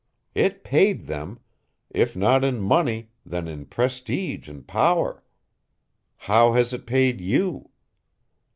It paid them if not in money then in prestige and power. How has it paid you?